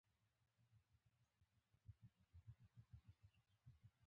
هغه نا ارامه شو او غوښتل یې چې تاوان جبران کړي.